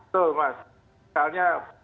betul mas misalnya